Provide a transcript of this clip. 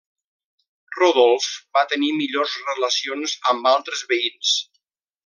Rodolf va tenir millors relacions amb altres veïns.